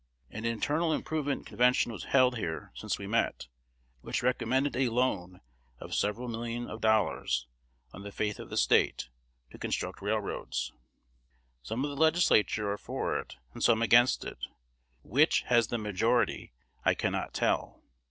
An internal improvement convention was held here since we met, which recommended a loan of several million of dollars, on the faith of the State, to construct railroads. Some of the Legislature are for it, and some against it: which has the majority I cannot tell.